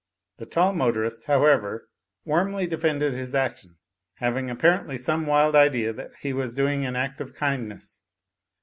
The tall motorist, however, warmly defended his action, having apparently some wild idea that he was doing an act of kindness.